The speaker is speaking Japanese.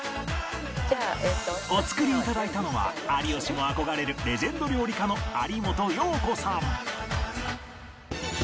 お作り頂いたのは有吉も憧れるレジェンド料理家の有元葉子さん